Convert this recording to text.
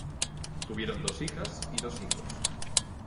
Tuvieron dos hijas y dos hijos.